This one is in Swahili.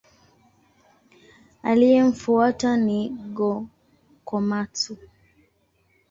Aliyemfuata ni Go-Komatsu.